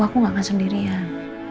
aku gak akan sendirian